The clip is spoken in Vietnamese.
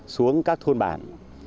xuống các thôn bản